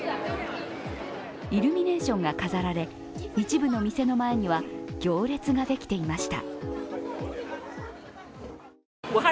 イルミネーションが飾られ、一部の店の前には行列ができていました。